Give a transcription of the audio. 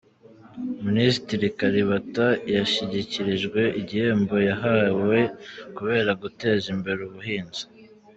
Minisitiri Kalibata yashyikirijwe igihembo yahawe kubera guteza imbere ubuhinzi